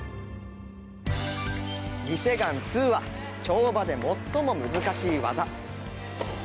リ・セグァン２は跳馬で最も難しい技。